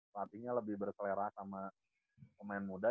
pelatihnya lebih berkelera sama pemain muda